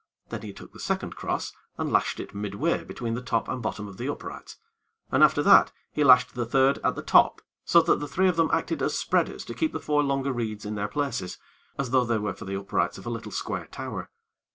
Then he took the second cross and lashed it midway between the top and bottom of the uprights, and after that he lashed the third at the top, so that the three of them acted as spreaders to keep the four longer reeds in their places as though they were for the uprights of a little square tower.